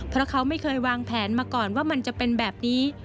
เพราะเขาไม่เคยวางแผนมาก่อนว่ามันจะเป็นแบบนี้